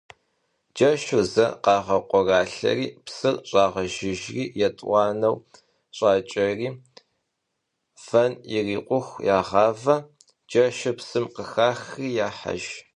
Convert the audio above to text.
Джэшыр зэ къагъэкъуалъэри псыр щӏагъэжыжыр, етӏуанэу щӏакӏэри вэн ирикъуху ягъавэ, джэшыр псым къыхахри яхьэж.